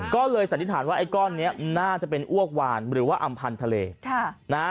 ก็เลยสันนิษฐานว่าไอ้ก้อนนี้น่าจะเป็นอ้วกวานหรือว่าอำพันธ์ทะเล